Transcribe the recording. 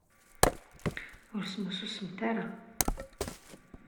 Ur smussusemt ara.